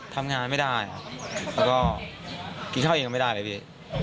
ทำงานไม่ได้แล้วก็กินข้าวเองก็ไม่ได้เลยพี่